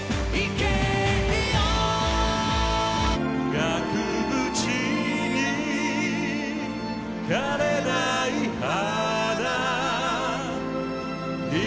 「額縁に枯れない花」